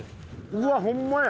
うわホンマや！